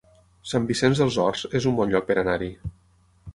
Sant Vicenç dels Horts es un bon lloc per anar-hi